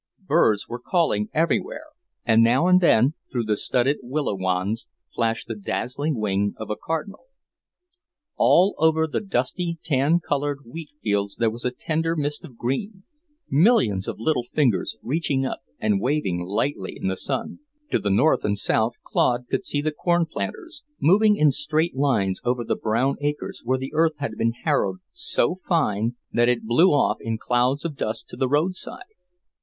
Birds were calling everywhere, and now and then, through the studded willow wands, flashed the dazzling wing of a cardinal. All over the dusty, tan coloured wheatfields there was a tender mist of green, millions of little fingers reaching up and waving lightly in the sun. To the north and south Claude could see the corn planters, moving in straight lines over the brown acres where the earth had been harrowed so fine that it blew off in clouds of dust to the roadside.